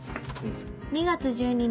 「２月１２日